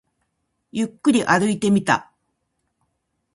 ゆっくり歩いてみた